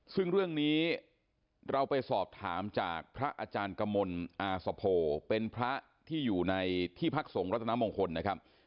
ซึ่งเรื่องนี้เราไปสอบถามจากพระอาจารย์กมลอาสโพเป็นพระที่อยู่ในที่พักส่งรัตนมงคลนะครับ